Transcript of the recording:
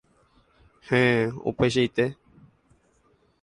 Héẽ, upeichaite.